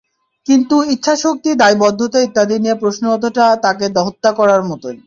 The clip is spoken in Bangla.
কিন্তু ইচ্ছাশক্তি, দায়বদ্ধতা ইত্যাদি নিয়ে প্রশ্ন ওঠাটা তাঁকে হত্যা করার মতোই।